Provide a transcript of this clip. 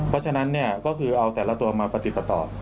เพราะฉะนั้นเนี่ยก็คือเอาแต่ละตัวมาประติดประต่อ